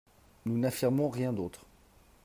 Nous n’affirmons rien d’autre.